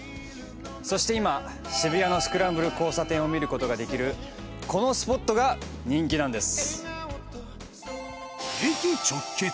そして、今渋谷のスクランブル交差点を見る事ができるこのスポットが、人気なんです。